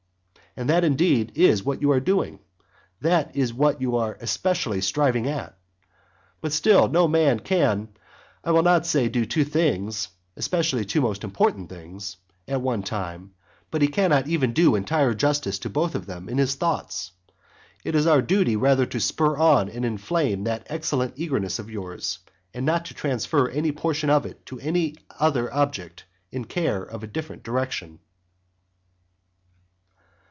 And that indeed, is what you are doing; that is what you are especially striving at, but still no man can I will not say do two things, especially two most important things, at one time but he cannot even do entire justice to them both in his thoughts. It is our duty rather to spur on and inflame that excellent eagerness of yours, and not to transfer any portion of it to another object of care in a different direction.